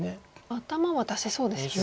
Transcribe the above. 頭は出せそうですね。